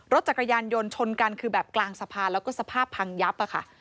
รถจักรยานยนต์ชนกันคือแบบกลางสะพานแล้วก็สภาพพังยับอะค่ะ